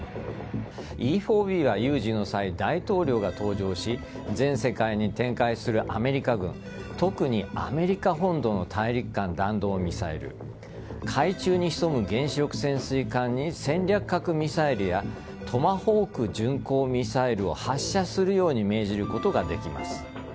Ｅ‐４Ｂは有事の際、大統領が搭乗し全世界に展開するアメリカ軍特にアメリカ本土の大陸間弾道ミサイル海中に潜む原子力潜水艦に戦略核ミサイルやトマホーク巡航ミサイルを発射するように命じることができます。